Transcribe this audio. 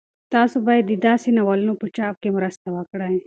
تاسو باید د داسې ناولونو په چاپ کې مرسته وکړئ.